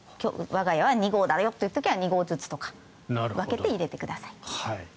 我が家は２合だけという時は２合ずつとか分けて入れてください。